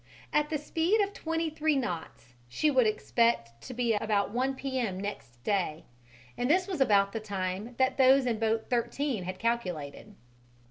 At the speed of 23 knots she would expect to be up about 1 P.M. next day, and this was about the time that those in boat 13 had calculated.